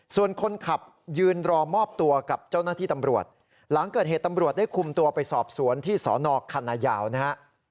ส่วนคนขับยืนรอมอบตัวกับเจ้าหน้าที่ตำรวจหลังเกิดเหตุตำรวจได้คุมตัวไปสอบสวนที่สนคันนายาวนะฮะ